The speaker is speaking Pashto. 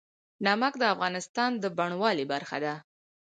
نمک د افغانستان د بڼوالۍ برخه ده.